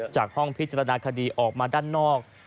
จากห้องพิจารณาคดีออกมาด้านนอก